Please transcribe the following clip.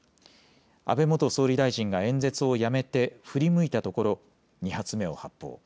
安倍元総理大臣が演説をやめて振り向いたところ、２発目を発砲。